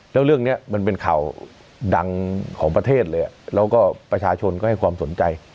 แล้วเรื่องนี้มันเป็นข่าวดังของประเทศเลยแล้วก็ประชาชนก็ให้ความสนใจ